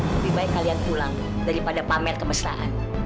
lebih baik kalian pulang daripada pamer kemestaan